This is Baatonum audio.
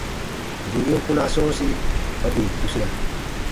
Bù yen kpunaa sɔ̃ɔsi kpa bù yè tusia.